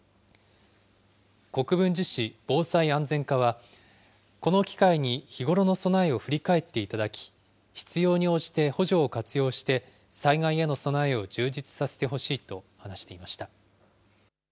国分寺市防災安全課は、この機会に日ごろの備えを振り返っていただき、必要に応じて補助を活用して、災害への備えを充実させてほしいと話していました。